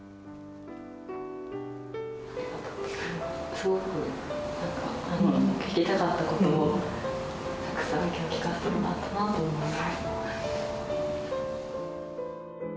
すごくなんか聞きたかったことをたくさん今日聞かせてもらったなと思います。